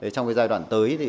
trong giai đoạn tới thì